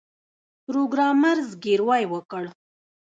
پروګرامر زګیروی وکړ